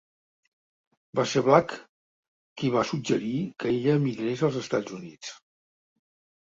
Va ser Black qui va suggerir que ella emigrés als Estats Units.